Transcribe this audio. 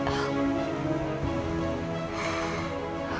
dia sangat mencintai anin